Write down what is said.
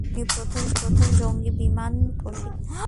তিনি প্রথমে জঙ্গি বিমান চালনার প্রশিক্ষণ নেন।